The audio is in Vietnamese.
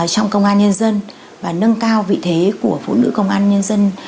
trong công an nhân dân và nâng cao vị thế của phụ nữ công an nhân dân